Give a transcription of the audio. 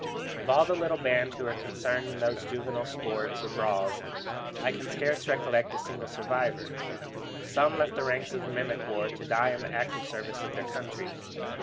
Of all the little band who were concerned in those juvenile sports or brawls, I can scarce recollect a single survivor. Some left the ranks of mimic war to die in the active service of their country.